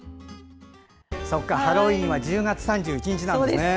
ハロウィーンは１０月３１日なんですね。